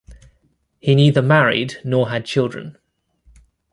He neither married nor had children.